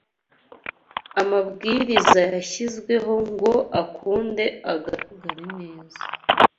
amabwiriza yashyizweho ngo akunde agaragare neza